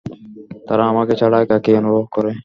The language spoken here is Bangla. তারা আমাকে ছাড়া একাকী অনুভব করে।